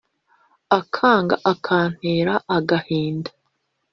Akanga akantera agahinda.